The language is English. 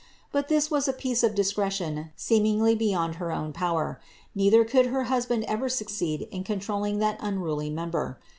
But this was a piece of discretion seemingly beyond her own power ; neither rnuld her husband ever succeed in controlling that unruly member.